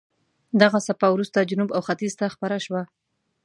دغه څپه وروسته جنوب او ختیځ ته خپره شوه.